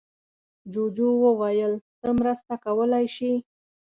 جوجو وویل ته مرسته کولی شې.